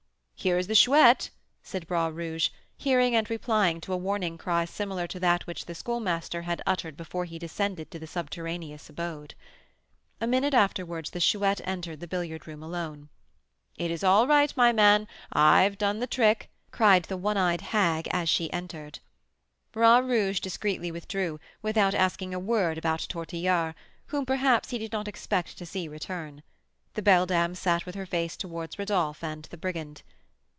"Here is the Chouette!" said Bras Rouge, hearing and replying to a warning cry similar to that which the Schoolmaster had uttered before he descended to the subterraneous abode. A minute afterwards the Chouette entered the billiard room alone. "It is all right, my man, I've done the trick!" cried the one eyed hag, as she entered. Bras Rouge discreetly withdrew, without asking a word about Tortillard, whom, perhaps, he did not expect to see return. The beldam sat with her face towards Rodolph and the brigand.